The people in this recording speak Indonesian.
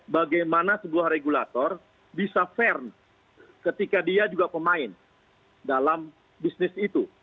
bagaimana sebuah regulator bisa fair ketika dia juga pemain dalam bisnis itu